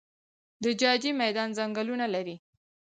د جاجي میدان ځنګلونه لري